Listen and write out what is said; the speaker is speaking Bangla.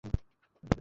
দেরি হয়ে যাচ্ছে।